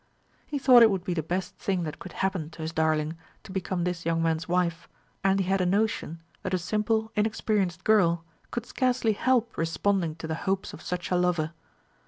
He thought it would be the best thing that could happen to his darling to become this young man's wife, and he had a notion that a simple, inexperienced girl could scarcely help responding to the hopes of such a lover.